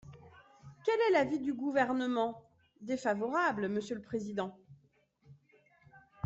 Quel est l’avis du Gouvernement ? Défavorable, monsieur le président.